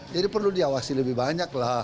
jadi perlu diawasi lebih banyak lah